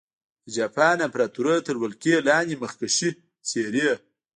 د جاپان امپراتورۍ تر ولکې لاندې مخکښې څېرې.